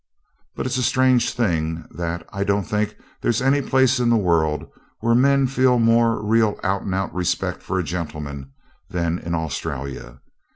But it's a strange thing that I don't think there's any place in the world where men feel a more real out and out respect for a gentleman than in Australia.